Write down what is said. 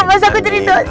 masa aku jadi dos